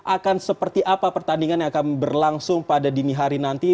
akan seperti apa pertandingan yang akan berlangsung pada dini hari nanti